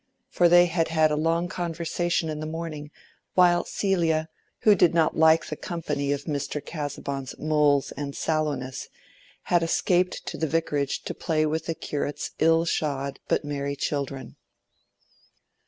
For they had had a long conversation in the morning, while Celia, who did not like the company of Mr. Casaubon's moles and sallowness, had escaped to the vicarage to play with the curate's ill shod but merry children.